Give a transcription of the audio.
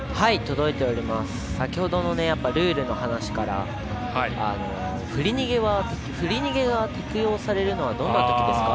先ほどのルールの話から振り逃げが適用されるのはどんなときですか？